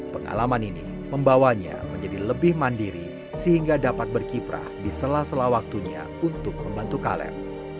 pengalaman ini membawanya menjadi lebih mandiri sehingga dapat berkiprah di sela sela waktunya untuk membantu kaleb